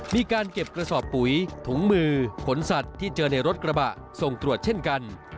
มีการเก็บกระสอบปุ๋ยถุงมือขนสัตว์ที่เจอในรถกระบะส่งตรวจเช่นกัน